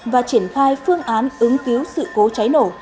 và triển khai phương án ứng cứu sự cố cháy nổ